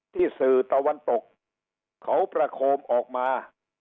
สื่อตะวันตกเขาประโคมออกมา